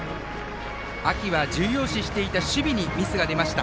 秋は、重要視していた守備にミスが出ました。